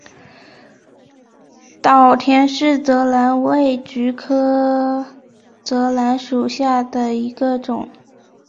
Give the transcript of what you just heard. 岛田氏泽兰为菊科泽兰属下的一个种。